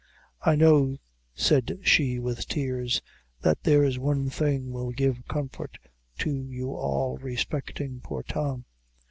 "I know," said she, with tears, "that there's one thing will give comfort to you all respecting poor Tom.